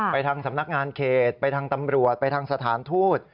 ทางสำนักงานเขตไปทางตำรวจไปทางสถานทูต